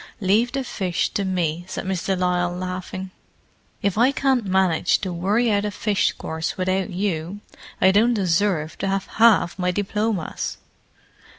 "Leave the fish to me," said Miss de Lisle, laughing. "If I can't manage to worry out a fish course without you, I don't deserve to have half my diplomas.